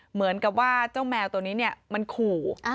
เหมือนกับว่าเจ้าแมวตัวนี้มันขู่